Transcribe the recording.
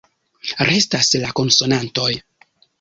Restas la konsonantoj.